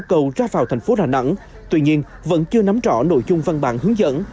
nhiều người đã ra vào thành phố đà nẵng tuy nhiên vẫn chưa nắm rõ nội dung văn bản hướng dẫn